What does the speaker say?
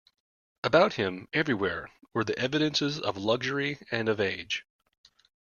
About him, everywhere, were the evidences of luxury and of age.